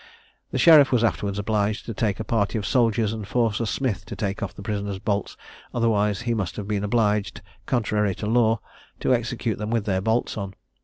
The sheriff was afterwards obliged to take a party of soldiers, and force a smith to take off the prisoners' bolts, otherwise he must have been obliged, contrary to law, to execute them with their bolts on.